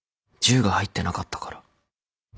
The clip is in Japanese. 十が入ってなかったから。